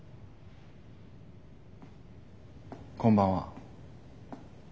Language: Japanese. こんばんは。